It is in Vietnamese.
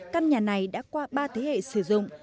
căn nhà này đã qua ba thế hệ sử dụng